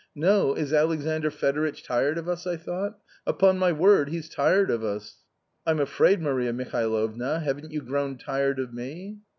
No ! is Alexandr Fedoritch tired of us, I thought ; upon my word, he's tired of us." " I'm afraid, Maria Mihalovna, haven't you grown tired ofme?"